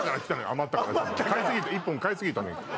余ったから買いすぎて１本買いすぎたのよ